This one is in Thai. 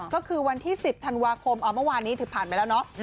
ก็คือวันที่๑๐ธันวาคมเมื่อวานนี้ถือผ่านไปแล้วเนาะ